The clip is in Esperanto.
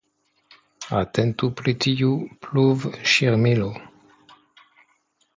Atentu pri tiu pluvŝirmilo!